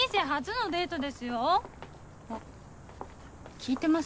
聞いてます？